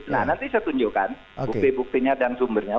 nah nanti saya tunjukkan bukti buktinya dan sumbernya